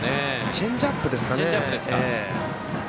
チェンジアップですかね。